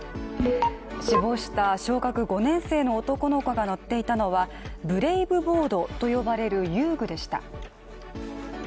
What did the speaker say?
死亡した小学５年生の男の子が乗っていたのはブレイブボードと呼ばれる、遊具でした。